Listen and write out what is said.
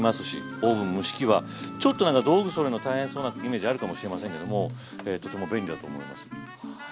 オーブン・蒸し器はちょっとなんか道具そろえるのが大変そうなイメージあるかもしれませんけどもとても便利だと思います。